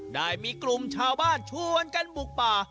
ได้มีกลุ่มชาวบ้านชวนกันบุกป่า